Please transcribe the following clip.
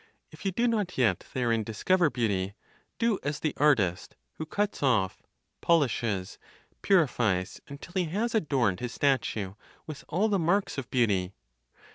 If you do not yet therein discover beauty, do as the artist, who cuts off, polishes, purifies until he has adorned his statue with all the marks of beauty.